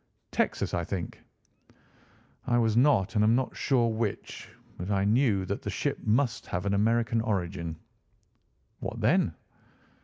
"Texas, I think." "I was not and am not sure which; but I knew that the ship must have an American origin." "What then?"